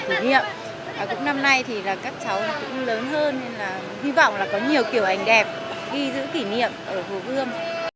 cũng năm nay thì là các cháu cũng lớn hơn nên là hy vọng là có nhiều kiểu ảnh đẹp ghi giữ kỷ niệm ở hồ gươm